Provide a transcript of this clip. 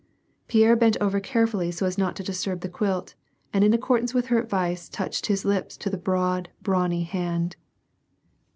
Pierre bent over carefully so as not to disturb the quilt, and in accordance with her advice touched his lips to the broad, brawny hand.